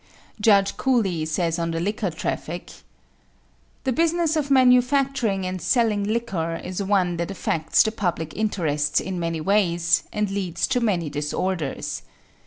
Judge Cooley says of the liquor traffic: The business of manufacturing and selling liquor is one that affects the public interests in many ways and leads to many disorders.